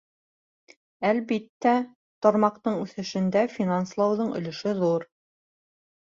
Әлбиттә, тармаҡтың үҫешендә финанслауҙың өлөшө ҙур.